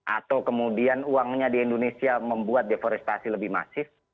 atau kemudian uangnya di indonesia membuat deforestasi lebih masif